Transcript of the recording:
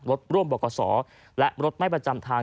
รถร่วมบกษอและรถไม่ประจำทาง